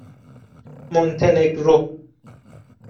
مونته نگرو